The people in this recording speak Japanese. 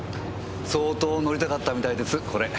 相当乗りたかったみたいですこれ。